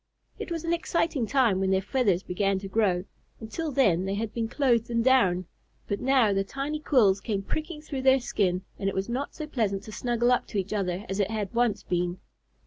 It was an exciting time when their feathers began to grow. Until then they had been clothed in down; but now the tiny quills came pricking through their skin, and it was not so pleasant to snuggle up to each other as it had once been.